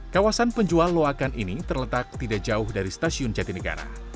kawasan penjual loakan ini terletak tidak jauh dari stasiun jatinegara